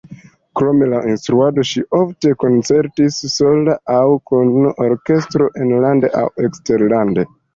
Krom la instruado ŝi ofte koncertis sola aŭ kun orkestro enlande kaj eksterlande.